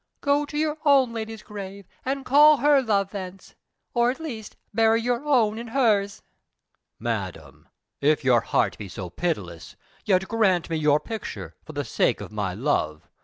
"Go to your own lady's grave, and call her love thence, or, at least, bury your own in hers." "Madam, if your heart is so pitiless, yet grant me your picture, for the sake of my love.